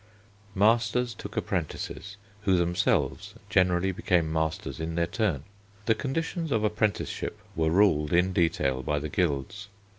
Masters took apprentices, who themselves generally became masters in their turn. The conditions of apprenticeship were ruled in detail by the guilds.